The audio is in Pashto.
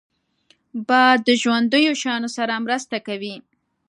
باد د ژوندیو شیانو سره مرسته کوي